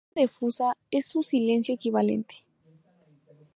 El silencio de fusa es su silencio equivalente.